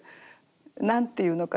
何て言うのかな